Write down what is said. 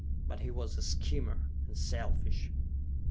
But he was a schemer, and selfish.